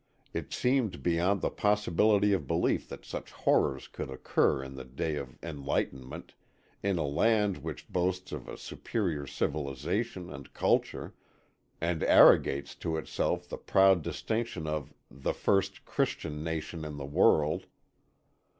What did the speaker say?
It seemed beyond the possibility of belief that such horrors could occur in our day of enlightenment, in a land which boasts of a superior civilization and culture, and arrogates to itself the proud distinction of the "first Christian nation in the world."